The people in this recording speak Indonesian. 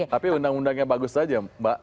tapi undang undangnya bagus saja mbak